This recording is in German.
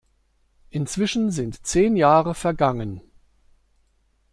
Inzwischen sind zehn Jahre vergangen.